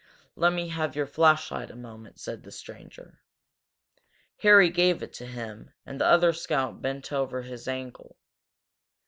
"Let me have your flashlight a moment," said the stranger. Harry gave it to him, and the other scout bent over his ankle.